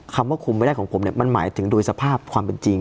คำว่าคุมไม่ได้ของผมเนี่ยมันหมายถึงโดยสภาพความเป็นจริง